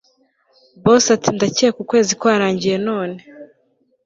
Boss atindakeka ukwezi kwarangiye none